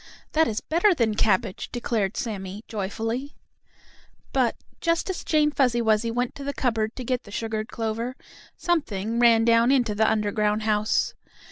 "That is better than cabbage," declared Sammie, joyfully. But, just as Jane Fuzzy Wuzzy went to the cupboard to get the sugared clover, something ran down into the underground house.